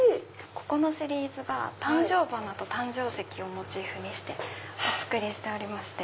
ここのシリーズが誕生花と誕生石をモチーフにしてお作りしておりまして。